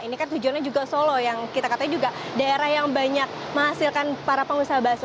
ini kan tujuannya juga solo yang kita katanya juga daerah yang banyak menghasilkan para pengusaha bakso